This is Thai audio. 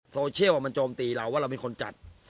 โซเชียลมันโจมตีเราว่าเรามีคนจัด